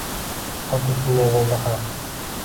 Xuddi shunday bo`ldi ham